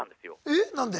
えっ何で？